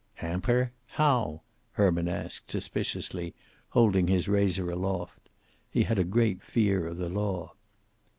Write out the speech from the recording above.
"Hamper? How?" Herman asked, suspiciously, holding his razor aloft. He had a great fear of the law.